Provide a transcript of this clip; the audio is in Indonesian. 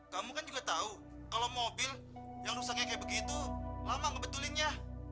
kamu kan juga tahu kalau mobil yang rusaknya kayak begitu lama ngebetulinnya